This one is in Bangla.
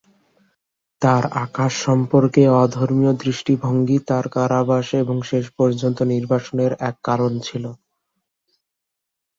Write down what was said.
তাঁর আকাশ সম্পর্কে অ-ধর্মীয় দৃষ্টিভঙ্গি তাঁর কারাবাস এবং শেষ পর্যন্ত নির্বাসনের এক কারণ ছিল।